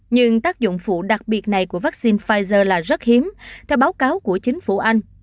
nhưng tác dụng phụ đặc biệt này của vaccine pfizer là rất hiếm theo báo cáo của chính phủ anh